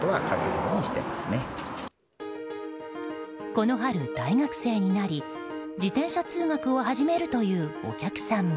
この春大学生になり自転車通学を始めるというお客さんも。